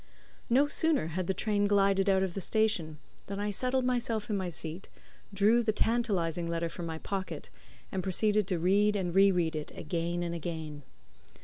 No sooner had the train glided out of the station than I settled myself in my seat, drew the tantalizing letter from my pocket, and proceeded to read and re read it again and again.